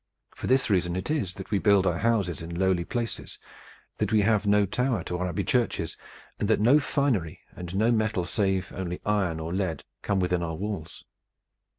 For this reason it is that we built our houses in lowly places, that we have no tower to our Abbey churches, and that no finery and no metal, save only iron or lead, come within our walls.